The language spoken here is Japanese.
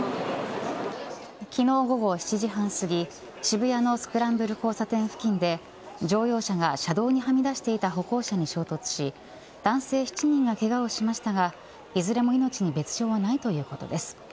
昨日午後７時半すぎ渋谷のスクランブル交差点付近で乗用車が車道にはみ出していた歩行者に衝突し男性７人が、けがをしましたがいずれも命に別条はないということです。